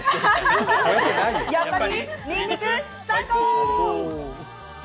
やっぱり、にんにく、最高！